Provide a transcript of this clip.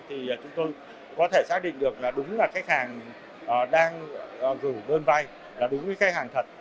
thì chúng tôi có thể xác định được là đúng là khách hàng đang gửi đơn vay là đúng với khách hàng thật